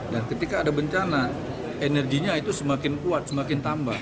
dan ketika ada bencana energinya itu semakin kuat semakin tambah